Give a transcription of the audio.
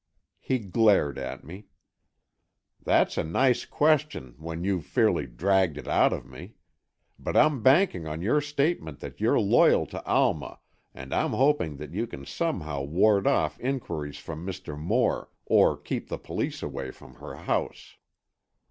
He glared at me. "That's a nice question, when you've fairly dragged it out of me! But I'm banking on your statement that you're loyal to Alma and I'm hoping that you can somehow ward off inquiries from Mr. Moore or keep the police away from her house."